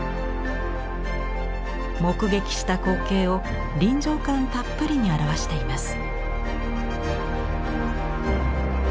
目撃した光景を臨場感たっぷりに表しています。